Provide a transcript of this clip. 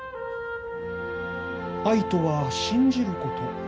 愛とは信じること。